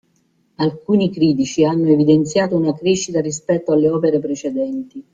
Alcuni critici hanno evidenziato una crescita rispetto alle opere precedenti.